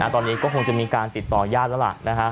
ตอนนี้ก็คงจะมีการติดต่อญาติแล้วล่ะ